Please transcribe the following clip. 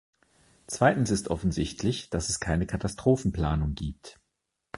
Zweitens ist offensichtlich, dass es keine Katastrophenplanung gibt.